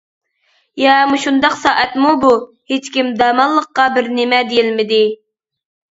يا مۇشۇنداق سائەتمۇ بۇ؟ ھېچكىم دەماللىققا بىر نېمە دېيەلمىدى.